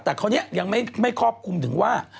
แต่คราวนี้ยังไม่ครอบคลุมถึงว่า